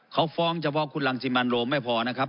เขาฟ้องเฉพาะคุณรังสิมันโรมไม่พอนะครับ